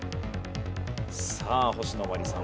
さあ星野真里さん